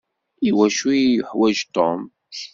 I wacu iyi-yuḥwaǧ Tom?